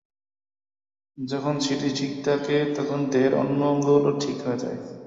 যখন সেটি ঠিক থাকে, তখন দেহের অন্য অঙ্গগুলোও ঠিক হয়ে যায়।